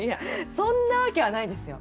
そんなわけはないですよ。